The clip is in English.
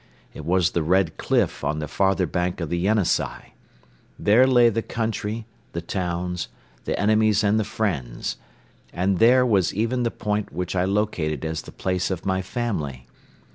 It was the red cliff on the farther bank of the Yenisei. There lay the country, the towns, the enemies and the friends; and there was even the point which I located as the place of my family.